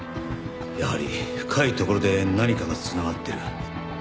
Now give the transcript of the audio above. やはり深いところで何かが繋がってる。